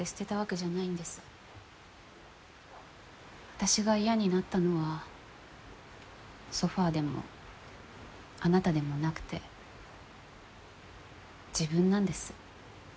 私が嫌になったのはソファでもあなたでもなくて自分なんです。